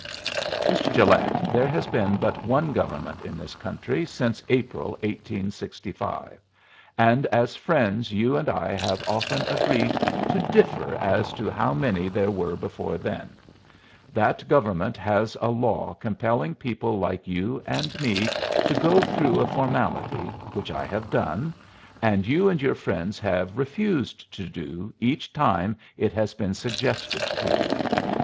"Mr. Gilet, there has been but one government in this country since April, 1865, and as friends you and I have often agreed to differ as to how many there were before then. That government has a law compelling people like you and me to go through a formality, which I have done, and you and your friends have refused to do each time it has been suggested to you.